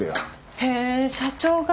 へえ社長が。